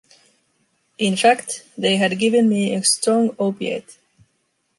In fact, they had given me a strong opiate.